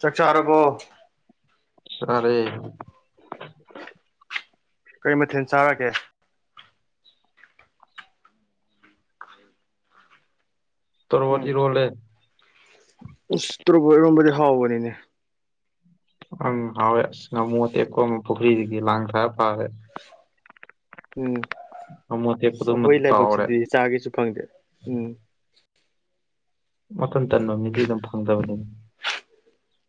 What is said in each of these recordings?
ꯆꯥꯛ ꯆꯥꯔꯕꯣ꯫ ꯆꯥꯔꯦ ꯀꯩ ꯃꯊꯦꯜ ꯆꯥꯔꯒꯦ ꯇꯣꯔꯣꯕꯣꯠ ꯏꯔꯣꯟꯂꯦ ꯏꯁ ꯇꯣꯔꯣꯕꯣꯠ ꯏꯔꯣꯟꯕꯗꯤ ꯍꯥꯎꯕꯅꯤꯅꯦ ꯑꯪ ꯍꯥꯎꯋꯦ ꯑꯁ ꯉꯥꯃꯨ ꯑꯇꯦꯛꯄ ꯑꯃ ꯄꯨꯈ꯭ꯔꯤꯗꯒꯤ ꯂꯥꯡ ꯊꯥꯛꯑ ꯐꯥꯔꯦ ꯎꯝ ꯉꯥꯃꯨ ꯑꯇꯦꯛꯄꯗꯨꯃ ꯑꯩꯈꯣꯏ ꯇꯥꯎꯔꯦ ꯂꯥꯏꯕꯛꯁꯤꯗꯤ ꯆꯥꯒꯦꯁꯨ ꯐꯪꯗꯦ ꯎꯝ ꯃꯇꯟ ꯇꯟꯕ ꯃꯤꯗꯤ ꯑꯗꯨꯝ ꯐꯪꯗꯕꯅꯤ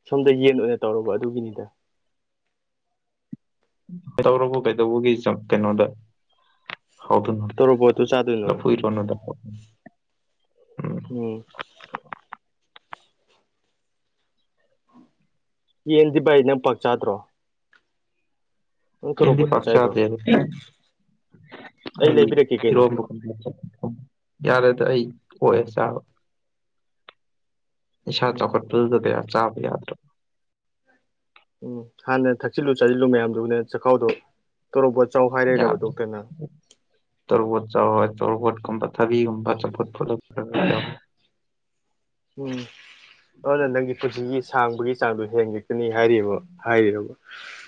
ꯁꯣꯝꯗ ꯌꯦꯟ ꯑꯣꯏꯅ ꯇꯧꯔꯕ ꯑꯗꯨꯒꯤꯅꯤꯗ [unintelligible] ꯀꯩꯗꯧꯕꯒꯤ ꯆꯞ ꯀꯩꯅꯣꯗ ꯍꯥꯎꯗꯨꯏ ꯃꯥꯟꯂꯦ ꯇꯣꯔꯣꯕꯣꯠꯇꯣ ꯆꯥꯗꯣꯏꯅꯣ ꯂꯐꯨ ꯏꯔꯣꯟꯕ ꯑꯝꯗ ꯀꯣꯠ ꯎꯝ ꯌꯦꯟꯗꯤ ꯚꯥꯏ ꯅꯪ ꯄꯥꯛ ꯆꯥꯗ꯭ꯔꯣ ꯅꯪ ꯌꯦꯟꯗꯤ ꯇꯣꯔꯣꯕꯣꯠꯇꯣ ꯄꯥꯛ ꯆꯥꯏꯗꯣ ꯆꯥꯗꯦ ꯑꯩ ꯂꯩꯕꯤꯔꯛꯀꯦ ꯀꯩꯅꯣ ꯏꯔꯣꯝꯕ ꯌꯥꯔꯦꯗ ꯑꯩ ꯑꯣꯛꯑꯦ ꯆꯥꯕ ꯏꯁꯥ ꯎꯝ ꯆꯥꯎꯈꯠꯄꯗꯨꯗ ꯀꯌꯥ ꯆꯥꯕ ꯌꯥꯗ꯭ꯔꯕ ꯎꯝ ꯍꯥꯟꯅ ꯊꯛꯆꯤꯜꯂꯨ ꯆꯥꯁꯤꯜꯂꯨ ꯃꯌꯥꯝꯗꯨꯅ ꯆꯈꯥꯎꯗꯣ ꯇꯣꯔꯣꯕꯣꯠ ꯆꯥꯎ ꯍꯥꯏꯔꯩꯔꯕ ꯗꯣꯛꯇꯔꯅ ꯇꯣꯔꯣꯕꯣꯠ ꯆꯥꯎ ꯍꯥꯏ ꯇꯣꯔꯣꯕꯣꯠ ꯀꯨꯝꯕ ꯊꯥꯕꯤꯒꯨꯝꯕ ꯆꯝꯐꯨꯠ ꯐꯨꯠꯂ ꯈꯔ ꯈꯔ ꯆꯥꯎ ꯍꯥꯏ ꯎꯝ ꯑꯗꯨꯅ ꯅꯪꯒꯤ ꯄꯨꯟꯁꯤꯒꯤ ꯁꯥꯡꯕꯒꯤ ꯆꯥꯡꯗꯣ ꯍꯦꯟꯒꯠꯀꯅꯤ ꯍꯥꯏꯔꯤꯕꯣ ꯍꯥꯏꯔꯤꯔꯣꯕ [unintelligible]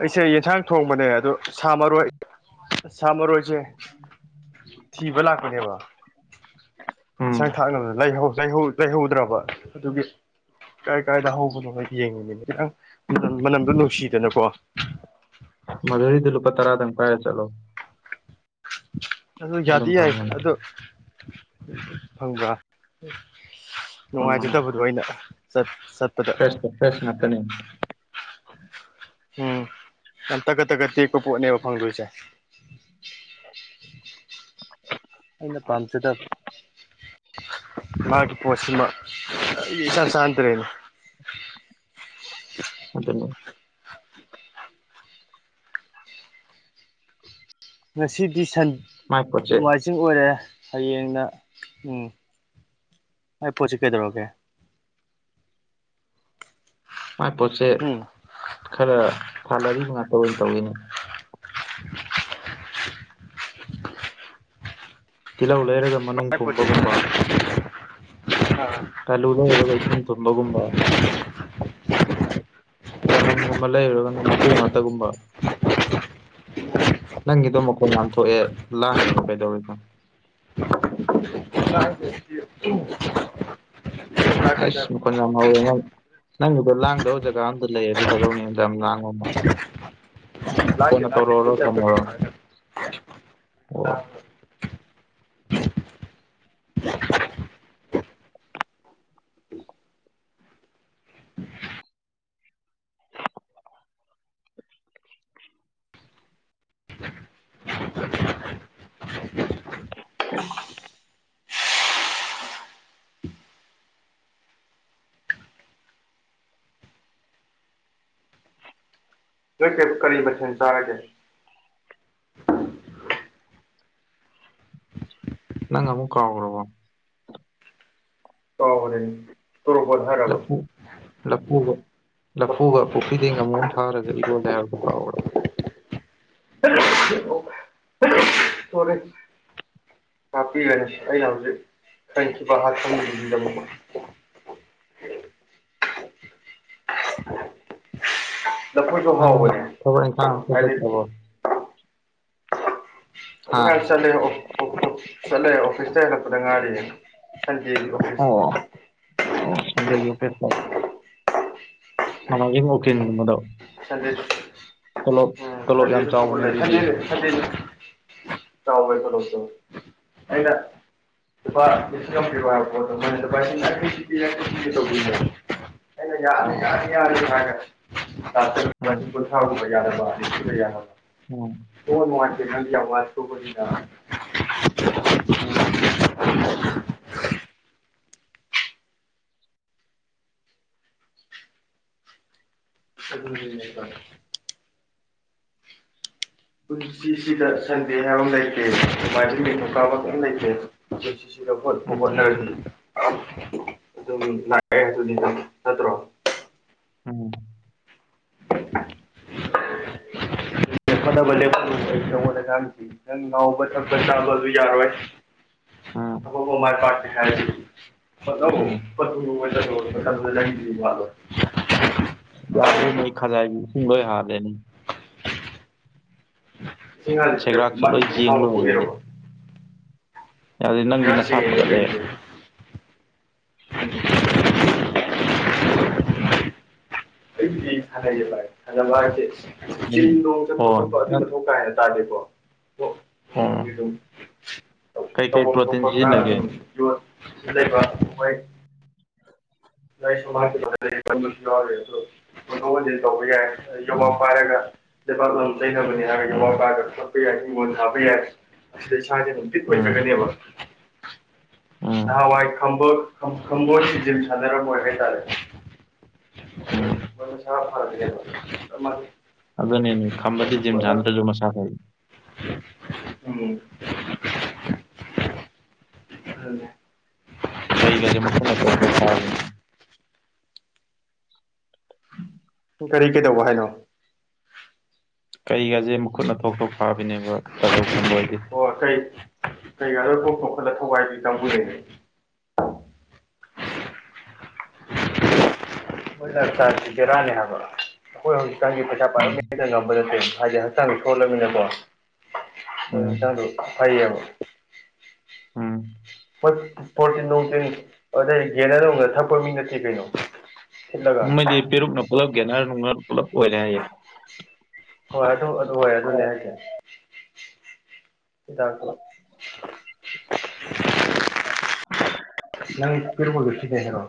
ꯑꯩꯁꯦ ꯌꯦꯟꯁꯥꯡ ꯊꯣꯡꯕꯅꯦ ꯑꯗꯣ ꯁꯥ ꯃꯔꯣꯏ ꯁꯥ ꯃꯔꯣꯏꯁꯦ ꯊꯤꯕ ꯂꯥꯛꯄꯅꯦꯕ ꯎꯝ ꯏꯟꯁꯥꯡ ꯊꯥꯛꯅꯕ ꯂꯩꯍꯧ-ꯂꯩꯍꯧ ꯂꯩꯍꯧꯗ꯭ꯔꯕ ꯑꯗꯨꯒꯤ ꯀꯥꯏ ꯀꯥꯏꯗ ꯍꯧꯕꯅꯣ ꯌꯦꯡꯉꯤꯅꯤꯅꯦ ꯈꯤꯇꯪ ꯃꯅꯝ-ꯃꯅꯝꯗꯣ ꯅꯨꯡꯁꯤꯗꯅꯀꯣ ꯝꯗꯨꯨꯔꯤꯗ ꯂꯄꯥ ꯇꯔꯥꯗꯪ ꯄꯥꯏꯔ ꯆꯠꯂꯣ ꯑꯗꯨ ꯑꯗꯨꯝ ꯌꯥꯗꯤ ꯌꯥꯏ ꯐꯪꯕꯅꯤ ꯑꯗꯨ ꯐꯪꯕ꯭ꯔꯥ ꯐꯣꯟ ꯅꯨꯡꯉꯥꯏꯖꯗꯕꯗꯣ ꯑꯩꯅ ꯆꯠ ꯆꯠ ꯐ꯭ꯔꯦꯁꯇꯤ ꯐ꯭ꯔꯦꯁ ꯉꯥꯠꯇꯅꯤ ꯎꯝ ꯌꯥꯝꯇꯒꯠ ꯇꯒꯠ ꯇꯦꯛꯄ ꯄꯣꯠꯅꯦꯕ ꯐꯪꯗꯣꯏꯁꯦ ꯑꯩꯅ ꯄꯝ ꯆꯗ ꯃꯥꯒꯤ ꯄꯣꯠꯁꯤꯃ ꯏꯆꯥꯟ ꯆꯟꯗ꯭ꯔꯦꯅꯦ ꯑꯗꯨꯅꯦ ꯉꯁꯤꯗꯤ ꯁꯟ ꯃꯥꯏ ꯄꯣꯠꯁꯦ ꯅꯨꯡꯃꯥꯏ ꯆꯤꯡ ꯑꯣꯏꯔꯦ ꯍꯌꯦꯡꯅ ꯎꯝ ꯑꯩ ꯄꯣꯠꯁꯤ ꯀꯩꯗꯧꯔꯒꯦ ꯃꯥꯏ ꯄꯣꯠꯆꯦ ꯎꯝ ꯈꯔ ꯊꯥꯃꯔꯤ ꯃꯉꯥ ꯇꯔꯨꯛ ꯇꯧꯋꯦꯅꯦ [inaudible] ꯇꯤꯜꯍꯧ ꯂꯩꯔꯒ ꯃꯅꯨꯡ ꯄꯨꯝꯕꯒꯨꯝꯕ ꯍ ꯀꯜꯂꯨꯗꯕ ꯀꯩ ꯇꯝꯕꯒꯨꯝꯕ [unintelligible] ꯆꯅꯝꯒꯨꯝꯕ ꯂꯩꯔꯨꯔꯒꯅ ꯃꯀꯨ ꯉꯥꯛꯇꯥꯒꯨꯝꯕ ꯅꯪꯒꯤꯗꯣ ꯃꯈꯣꯟ ꯌꯥꯝ ꯊꯣꯛꯑꯦ ꯂꯥꯡꯉꯦꯕ ꯀꯩꯗꯧꯔꯤꯅꯣ [unintelligible] ꯑꯩꯁ ꯃꯈꯣꯟ ꯌꯥꯝ ꯍꯧꯋꯦ ꯅ ꯅꯪꯒꯤꯗꯣ ꯂꯥꯡꯗꯕ ꯖꯒꯥ ꯑꯝꯗ ꯂꯩꯔꯗꯤ ꯐꯗꯧꯅꯤ ꯌꯥꯝ ꯂꯥꯡꯕ ꯃꯥꯜꯂꯦ [inaudible] ꯂꯥꯡꯗꯦ ꯀꯣꯟꯅ ꯂꯥꯡꯗꯦ ꯇꯧꯔꯛꯑꯣꯔꯣ ꯌꯨꯝ ꯆꯠꯄꯒꯤ ꯊꯝꯃꯣꯔꯣ ꯑꯣ [unintelligible] ꯍ [unintelligible] ꯅꯪ ꯀꯔꯤ ꯀꯔꯤ ꯃꯊꯦꯟ ꯆꯥꯔꯒꯦ ꯅꯪ ꯑꯃꯨꯛ ꯀꯥꯑꯣꯒ꯭ꯔꯥꯕꯣ ꯀꯥꯎꯔꯦ ꯇꯣꯔꯣꯕꯣꯠ ꯍꯥꯏꯔꯕ ꯂꯐꯨ ꯂꯐꯨꯒ ꯃꯀꯨ ꯂꯐꯨꯒ ꯄꯨꯈ꯭ꯔꯤꯗꯩꯩ ꯉꯃꯨꯝ ꯑꯃ ꯐꯥꯔꯒ ꯏꯔꯣꯜꯂꯦ ꯍꯥꯏꯕ ꯀꯥꯎꯔꯥ ꯇꯔꯦ ꯍꯥꯥꯛꯄꯤꯒꯅꯤ ꯑꯩ ꯍꯧꯖꯤꯛ ꯈꯟꯈꯤꯕ ꯑꯏꯐꯣꯟ ꯗꯨꯒꯤꯗꯃꯛ ꯂꯐꯣꯏꯁꯨ ꯅꯪ ꯍꯥꯎꯕꯅꯦ ꯊꯕꯛ ꯏꯪꯈꯥꯡ ꯑꯝꯇ ꯍꯥꯏꯗꯤ ꯆꯠꯇ꯭ꯔꯕꯣ ꯑꯗꯨ ꯍꯥ ꯍꯥꯏꯕ ꯆꯠꯂꯦ ꯆꯠꯂꯦ ꯑꯣꯐꯤꯁꯇꯩ ꯍꯜꯂꯛꯄꯗ ꯉꯥꯏꯔꯤ ꯑꯣ ꯑꯣ ꯁꯟꯗꯦꯒꯤ ꯑꯣꯐꯤꯁꯇꯣ ꯅꯣꯃꯥꯏꯖꯤꯡ ꯑꯣꯀꯤꯜ ꯎꯝ ꯒꯨꯝꯕꯗꯣ ꯁꯟꯗꯦ ꯎꯝ ꯇꯣꯂꯣꯞ ꯌꯥꯝ ꯁꯟꯗꯦꯁꯨ ꯊꯕꯛ ꯆꯥꯎꯕꯅꯦ ꯂꯩ ꯁꯟꯗꯦ ꯑꯗꯨꯗꯤ ꯁꯟꯗꯦ ꯆꯥꯎꯕꯩꯁ ꯂꯠꯇ ꯑꯩꯅ [unintelligible] ꯂꯨꯄꯥ ꯂꯤꯁꯤꯡ ꯑꯃ ꯄꯤꯌꯣ ꯍꯥꯏꯕ ꯄꯣꯠꯇꯣ ꯃꯣꯏꯅ ꯌꯥꯡꯈꯩ ꯄꯤꯒꯦ ꯌꯥꯡꯈꯩ ꯄꯤꯒꯦ ꯇꯧꯗꯣꯏꯅꯦ ꯑꯩꯅ ꯌꯥꯔꯅꯤ ꯑꯥ ꯌꯥꯔꯅꯤ ꯌꯥꯔꯅꯤ ꯍꯥꯏꯔꯒ ꯊꯥ ꯇꯔꯨꯛ ꯎꯝ ꯂꯤꯁꯤꯡ ꯀꯨꯟꯊꯔꯥ ꯍꯨꯝꯗꯣꯏ ꯌꯥꯅꯕ ꯅꯤꯐꯨꯗ ꯌꯥꯟꯅꯕ ꯎꯝ ꯁꯤꯕꯨ ꯅꯨꯡꯉꯥꯏꯇꯦ ꯈꯜꯂꯤ ꯌꯥꯝ ꯋꯔꯛꯈꯔꯥ ꯇꯣꯛꯀꯅꯤꯗ [unintelligible] ꯎꯝ ꯑꯗꯨꯅꯤꯅꯦ ꯏꯇꯥꯎ ꯄꯨꯟꯁꯤꯁꯤꯗ ꯁꯟꯗꯦ ꯍꯥꯏꯕ ꯑꯃ ꯂꯩꯇꯦ ꯅꯣꯡꯃꯥꯏꯖꯤꯡ ꯅꯤꯡꯊꯧꯀꯥꯕ ꯀꯏꯝ ꯂꯩꯇꯦ ꯁꯤꯗ ꯍꯣꯠꯄꯨ ꯎꯝ ꯍꯣꯠꯅꯔꯗꯤ ꯑꯗꯨꯝ ꯂꯥꯛꯑꯦ ꯑꯗꯨꯅꯤꯗ ꯑꯗꯨꯝ ꯅꯠꯇ꯭ꯔꯣ ꯎꯝ [inaudible] [inaudible] ꯍꯣꯠꯅꯕ ꯂꯦꯞꯀꯅꯨ ꯅꯉꯣꯟꯗ ꯉꯥꯡꯉꯤꯁꯤꯅꯤ ꯅꯪ ꯉꯥꯎꯕ ꯊꯛꯄ ꯆꯥꯕꯗꯨ ꯌꯥꯔꯣꯏ ꯎꯝ [unintelligible] ꯎꯝ ꯣ [unintelligible] ꯌꯥꯗꯔ꯭ꯦꯅꯦ ꯑꯩ ꯈꯖꯥꯏꯖꯤ ꯏꯁꯤꯡ ꯂꯣꯏ ꯍꯥꯜꯂꯦꯅꯦ ꯁꯦꯒ꯭ꯔꯥꯛꯁꯨ ꯂꯣꯏ ꯌꯦꯡ [unintelligible] ꯌꯥꯗꯦ ꯅꯪꯗꯤ ꯅꯁꯥ ꯐꯒꯠꯂꯦ ꯑꯩꯕꯨꯗꯤ ꯁꯥꯟꯅꯩꯌꯦ ꯚꯥꯏ ꯊꯥꯟꯖꯕ ꯍꯥꯏꯁꯤ ꯆꯤꯡ ꯅꯣꯡ ꯆꯠꯄ ꯑꯣ ꯈꯣꯠꯄ ꯑꯗꯨꯏ ꯅꯪ ꯃꯊꯧ ꯇꯥꯏꯗꯣ ꯇꯥꯗꯦꯀꯣ ꯑꯣ ꯑꯣ [unintelligible] ꯀꯩꯀꯩ ꯇꯧꯕꯝ ꯄ꯭ꯔꯣꯇꯤꯟ ꯊꯣꯛꯄ ꯈꯔ ꯁꯤꯖꯤꯟꯅꯒꯦ ꯑꯗꯨꯝ ꯌꯣꯠ ꯁꯤ ꯂꯩꯕ ꯃꯣꯏ ꯂꯥꯏ ꯁꯨ ꯃꯥꯗꯤ [unintelligible] ꯍꯣꯟꯗꯣꯛ ꯍꯣꯟꯖꯤꯟ ꯇꯧꯕ ꯌꯥꯏ ꯌꯣꯝꯄꯥꯛ ꯎꯝ ꯄꯥꯏꯔꯒ [unintelligible] ꯎꯝ ꯑꯁ ꯏꯁꯥꯖꯦ ꯑꯗꯨꯝ ꯄꯤꯛꯄꯩ ꯎꯝ ꯈꯛꯇꯅꯦꯕ ꯎꯝ ꯅꯍꯥꯟꯋꯥꯏ ꯈꯝꯕ ꯈꯝ ꯈꯝꯕꯣꯏ ꯖꯤꯝ ꯁꯥꯟꯅꯔꯝꯃꯣꯏ ꯍꯥꯏꯇꯥꯔꯦ ꯎꯝ ꯃꯥ ꯃꯁꯥ ꯐꯗꯔꯦꯕ ꯆꯞ ꯃꯥꯟꯅꯩ ꯑꯗꯨꯅꯤꯅꯦ ꯈꯝꯕꯗꯤ ꯖꯤꯝ ꯁꯥꯟꯅꯗ꯭ꯔꯖꯨ ꯃꯁꯥ ꯐꯩ ꯑ ꯍꯨ ꯈꯜꯂꯦ ꯀꯩꯒꯁꯦ ꯃꯈꯨꯠꯅ ꯇꯣꯞ ꯇꯣꯞ ꯐꯥꯔꯤ ꯀꯔꯤ ꯀꯩꯗꯧꯕ ꯍꯥꯏꯅꯣ ꯀꯩꯒꯖꯦ ꯃꯈꯨꯠꯅ ꯊꯣꯛ ꯊꯣꯛ ꯐꯥꯕꯤꯅꯦꯕ ꯇꯥꯖꯧ ꯈꯝꯕꯍꯣꯏꯗꯤ ꯑꯣ ꯀꯩ ꯀꯩꯒꯥꯗꯣ ꯀꯣꯛ ꯊꯣꯡꯀꯠꯂ ꯊꯧꯒꯥꯏꯕꯤ ꯀꯥꯡꯕꯨꯅꯦ ꯑꯩ ꯑꯩꯈꯣꯏꯅ ꯆ ꯖꯦ ꯕꯦꯔꯥꯅꯦ ꯍꯥꯏꯕ ꯑꯩꯈꯣꯏ ꯍꯧꯖꯤꯛꯀꯥꯟꯒꯤ ꯄꯩꯁꯥ ꯎꯝ ꯄꯥꯏꯔꯛ ꯃꯤꯗ ꯉꯝꯕ ꯅꯠꯇꯦ ꯎꯝ ꯍꯥꯏꯗꯤ [unintelligible] ꯎꯝ ꯍꯣꯏ ꯐꯣꯔꯇꯤꯟ ꯅꯨꯡꯇꯤꯟ ꯑꯗꯩ ꯒꯦꯟꯅꯔ ꯅꯨꯡꯅꯔ ꯊꯛꯄ ꯃꯤ ꯅꯠꯇꯦ ꯀꯩꯅꯣ ꯊꯤꯠꯂꯒ ꯃꯣꯏꯗꯤ ꯄꯦꯔꯨꯛꯅ ꯄꯨꯂꯞ ꯒꯦꯟꯅꯔ ꯅꯨꯡꯅꯔ ꯄꯨꯂꯞ ꯑꯣꯏꯔꯦ ꯍꯥꯏꯌꯦ ꯍꯣꯏ ꯑꯗꯨ ꯑꯗꯨ ꯍꯣꯏ ꯑꯗꯨꯅꯦ ꯍꯥꯏꯖꯦ ꯍꯤꯗꯥꯛꯇꯨ [unintelligible] ꯅꯪ ꯄꯤꯔꯨꯛꯃꯟꯗꯨ ꯁꯤꯖꯤꯟꯅꯩ ꯍꯥꯏꯔꯣ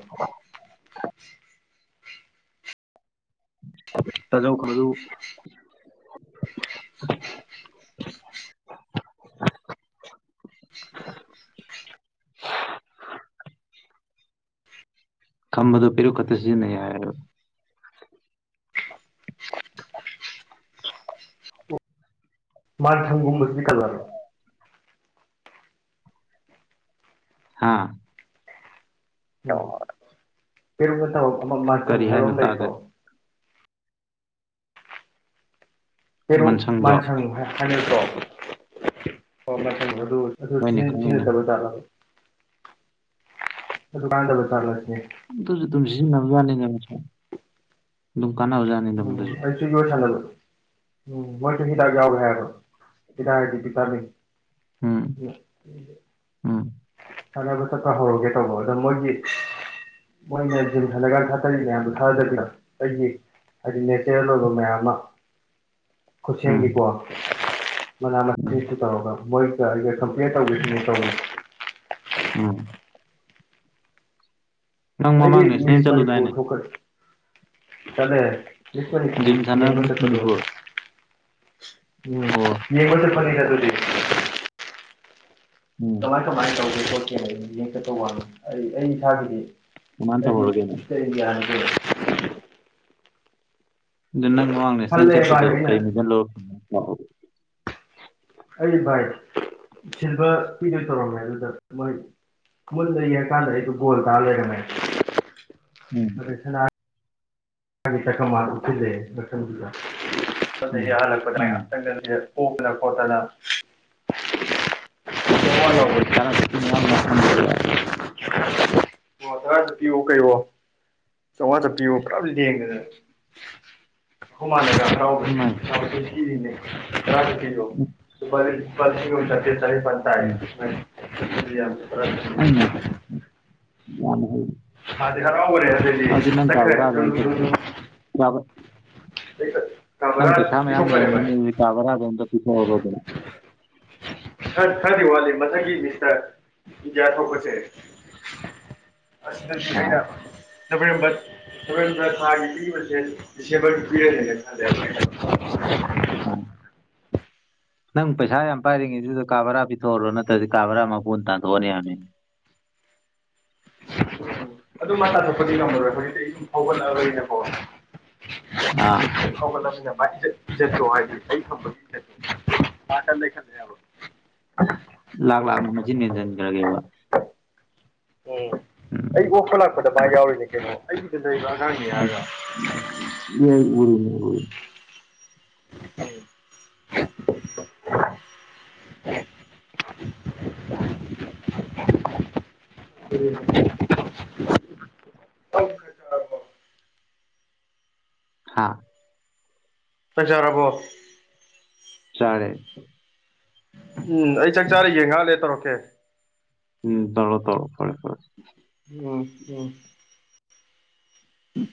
ꯇꯥꯖꯧ ꯈꯔꯨ ꯈꯝꯕꯗꯨ ꯄꯤꯔꯨꯛ ꯈꯇ ꯁꯤꯖꯤꯟꯅꯩ ꯍꯥꯏꯕ ꯃꯥꯥꯟ ꯊꯝꯒꯨꯝꯕꯁꯨ ꯈꯜꯂꯕꯔ꯭ꫭ ꯍꯥꯥ ꯀꯩꯔꯨꯝꯕ ꯊꯕꯛ ꯑꯃ ꯃꯊꯪ ꯀꯔꯤ ꯍꯥꯏꯕ ꯍꯥꯏꯅꯣ ꯑꯃ ꯇꯥꯗ꯭ꯔꯦ ꯂꯩꯇ꯭ꯔꫭ ꯍꯩꯔꯨꯛ ꯃꯟꯁꯪꯗꯣ ꯃꯥꯟꯁꯪ ꯍꯥꯏꯅꯗꯔ꯭ꫭ ꯑꫭ ꯃꯥꯟꯁꯪ ꯑꯗꯨ ꯑꯗꯨ ꯍꯣꯏꯅꯦ ꯁꯤꯟ ꯈꯪꯉꯤꯅꯦ ꯁꯤꯟꯅꯠꯇꯕ ꯖꯥꯠꯂ ꯑꯗꯨꯀꯥꯟꯗꯕ ꯖꯥꯠꯂ ꯁꯤ ꯑꯗꯨꯖꯨ ꯑꯗꯨꯝ ꯁꯤꯖꯤꯟꯅꯕꯖꯥꯠꯅꯤꯅ ꯃꯁꯤ ꯑꯗꯨꯝ ꯀꯥꯟꯅꯕꯖꯥꯠ ꯎꯝ ꯑꯩꯁꯨ ꯅꫭꯏ ꯁꯥꯅꯕ ꯎꯝ ꯋꯥꯔꯛꯇꯒꯤ ꯍꯤꯗꯥꯛ ꯌꯥꯎꯋꯦ ꯍꯥꯏ ꯑꯕ ꯍꯤꯗꯥꯛ ꯑꯗꯤ ꯕꯤꯇꯥꯃꯤꯟ ꯎꯝ [unintelligible] ꯎꯝ ꯁꯥꯅꯕ ꯆꯠꯄ ꯍꯧꯔꯒꯦ ꯇꯧꯕ ꯑꯗ ꯃꯣꯏꯒꯤ ꯃꯣꯏꯅ ꯖꯤꯝ ꯁꯥꯟꯅꯒꯥꯟ ꯊꯥꯀꯠꯂꯤ ꯃꯌꯥꯝꯗꯨ ꯊꯥꯗꯗꯤ ꯑꯩꯒꯤ [unintelligible] ꯃꯌꯥꯝ ꯑꯃ ꯎꯝ ꯈꯨꯠꯁꯦꯝꯒꯤꯀꯣ ꯃꯅꯥ ꯎꯝ ꯃꯁꯤꯡꯁꯨ ꯇꯧꯔꯒ ꯃꯣꯏꯒ [unintelligible] ꯇꯧꯒꯦ ꯁꯤꯅꯦ ꯇꯧꯔꯤꯁꯦ ꯎꯝ ꯅꯪ ꯑꯩꯗꯤ ꯃꯃꯥꯡ ꯅꯦꯁꯅꯦꯜ ꯃꯤꯁ ꯆꯠꯂꯨꯗꯥꯏꯅꯦ ꯃꯅꯤꯄꯨꯔ ꯊꯣꯛꯀ ꯆꯠꯂꯦ ꯃꯤꯁ ꯃꯅꯤꯄꯨꯔ ꯖꯤꯝ ꯁꯥꯟꯅꯕ ꯌꯦꯡꯕ ꯃꯤꯁ ꯆꯠꯄꯗꯣ ꯃꯅꯤꯄꯨꯔ ꯑꯣ ꯌꯦꯡꯕ [unintelligible] [unintelligible] [unintelligible] ꯎꯝ ꯀꯃꯥꯏ ꯀꯃꯥꯏꯅ ꯇꯧꯒꯦ ꯈꯣꯠꯀꯦꯅ [unintelligible] [unintelligible] [unintelligible] ꯑꯩ ꯑꯩ ꯏꯁꯥꯒꯤꯗꯤ ꯀꯃꯥꯏꯅ ꯑꯩꯗꯤ ꯇꯧꯍꯧꯔꯒꯦꯅꯦ ꯃꯤꯁꯇꯥꯔ ꯢꯟꯗꯤꯌꯥꯅꯤ ꯀꯩꯅꯣ ꯑꯗꯨ ꯅꯪ ꯃꯃꯥꯡ ꯅꯦꯁꯅꯦꯜ ꯈꯜꯂꯦ ꯚꯥꯏ ꯆꯠꯄꯗꯣ ꯑꯩꯅ ꯀꯩ ꯃꯦꯗꯜ ꯂꯧꯔꯛꯒꯦ ꯑꯩ ꯚꯥꯏ ꯁꯤꯜꯚꯔ ꯄꯤꯗꯣꯏ ꯇꯧꯔꯝꯃꯦ ꯑꯗꯨꯒ ꯃꯣꯢ ꯃꯨꯟꯅ ꯌꯦꯡꯀꯥꯟꯖ ꯑꯩꯗꯣ ꯒꯣꯜ ꯇꯥꯔ ꯂꯩꯔꯝꯃꯦ ꯎꯝ ꯑꯗꯨꯢ ꯁꯅꯥ [unintelligible] [unintelligible] [unintelligible] [unintelligible] ꯑꯣꯛꯇꯅ ꯎꯝ ꯎꯝ ꯈꯣꯠꯇꯅ ꯆꯥꯝꯃꯉꯥ ꯂꯧꯕꯅꯤ ꯇꯔꯥ ꯆꯞꯄꯤ ꯃꯌꯝ ꯉꯥꯛꯁꯝꯗ ꯍꯨꯛꯌꯦ ꯀꯩꯑꯣ [unintelligible] [unintelligible] [unintelligible] ꯆꯥꯎꯉꯥ ꯆꯞꯄꯤꯑꯣ ꯀꯩꯋꯣ ꯂꯦꯡꯗꯅ ꯈꯣꯢꯃ ꯌꯝ [unintelligible] [unintelligible] [unintelligible] ꯎꯝ ꯄꯩꯁꯥ ꯃꯁꯤꯡ ꯊꯤꯔꯤꯅꯦ ꯇꯔꯥ ꯆꯞꯄꯤꯗꯣ ꯂꯨꯄꯥ ꯂꯤꯁꯤꯡ ꯑꯃꯒ ꯆꯠꯇ꯭ꯔꯠ ꯆꯥꯅꯤꯄꯥꯜ ꯇꯥꯢꯌꯦ [unintelligible] ꯌꯥꯝ ꯈꯔ ꯑꯩꯅ [unintelligible] [unintelligible] ꯃꯥꯗꯤ ꯍꯔꯥꯎꯋꯦ [unintelligible] ꯑꯗꯨꯗꯤ [unintelligible] ꯅꯪ ꯀꯥ ꯆꯠꯈ꯭ꯔꯦ ꯕꯔꯥꯗꯣ ꯑꯝꯇ [unintelligible] [unintelligible] [unintelligible] ꯄꯤꯊꯣꯛꯈ꯭ꯔꯦ ꯕꯥꯢ [unintelligible] [unintelligible] [unintelligible] ꯄꯤꯊꯣꯛꯑꯔꯣꯢ ꯑꯗꯨꯗꯤ ꯈ ꯈꯔꯗꯤ ꯋꯥꯠꯂꯤ ꯃꯊꯪꯒꯤ ꯃꯤꯁꯇꯔ ꯏꯗꯤꯌꯥ ꯊꯣꯛꯄꯁꯦ ꯑꯁ ꯑꯥ [unintelligible] ꯅꯕꯦꯝꯕꯔ ꯅꯕꯦꯝꯕꯔ ꯊꯥꯒꯤ ꯄꯤꯔꯤꯕꯁꯦ ꯗꯤꯁꯑꯦꯕꯜ ꯄꯤꯔꯅꯤꯅ ꯈꯜꯂꯦ [unintelligible] ꯎꯝ ꯅꯪ ꯄꯩꯁꯥ ꯌꯥꯝ ꯄꯥꯏꯔꯤꯉꯩꯗꯨꯗ ꯀꯥ ꯕꯔꯥ ꯄꯤꯊꯣꯛꯍꯧꯔꯣ ꯅꯠꯇ꯭ꯔꯗꯤ ꯀꯥ ꯕꯔꯥ ꯃꯄꯨꯟꯅ ꯇꯥꯟꯊꯣꯛꯑꯅꯤ ꯍꯥꯢꯕꯅꯤ ꯑꯗꯨ ꯃꯥ ꯇꯥꯟꯊꯣꯛꯄꯗꯤ ꯉꯝꯃꯔꯣꯏ [unintelligible] [unintelligible] [unintelligible] ꯐꯧꯒꯠꯂꯛꯑꯕꯅꯤꯅꯀꯣ ꯑꯥ ꯐꯧꯒꯠꯂꯛꯑꯕꯅꯤꯅ [unintelligible] [unintelligible] ꯂꯥꯛ ꯂꯥꯛꯅ ꯃꯆꯤꯟ ꯃꯦꯟꯁꯤꯟꯈ꯭ꯔꯒꯦꯕ ꯎꯝ ꯎꯝ ꯑꯩ ꯑꯣꯛꯄ ꯂꯥꯛꯄꯗ ꯃꯥ ꯌꯥꯎꯔꯤꯅꯦ ꯀꯩꯅꯣ ꯑꯩꯒꯤꯗ ꯂꯩꯕ ꯑꯉꯥꯡꯅꯤ ꯍꯥꯏꯔꯒ ꯑꯦ ꯎꯨꯢ ꯎꯨꯢ ꯎꯝ [inaudible] ꯎꯝ [unintelligible] ꯍ [unintelligible] ꯍꯥꯥ ꯆꯥꯛ ꯆꯥꯔꯕꯣ ꯆꯥꯔꯦ ꯎꯝ ꯑꯩ ꯆꯥꯛ ꯆꯥꯔꯤꯌꯦ ꯉꯥꯛ ꯂꯩꯔ ꯇꯧꯔꯛꯀꯦ ꯎꯝ ꯇꯧꯔꯛꯑꯣ ꯇꯧꯔꯛꯑꯣ ꯍꯣꯢ ꯍꯣꯢ ꯎꯝ ꯎꯝ ꯎꯝꯝ